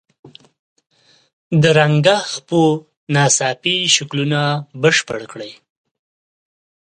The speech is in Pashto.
د رنګه خپو ناڅاپي شکلونه بشپړ کړئ.